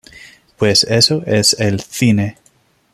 Pues eso es el cine"".